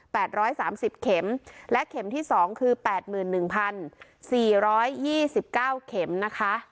ร้อยสามสิบเข็มและเข็มที่สองคือแปดหมื่นหนึ่งพันสี่ร้อยยี่สิบเก้าเข็มนะคะ